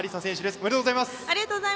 ありがとうございます。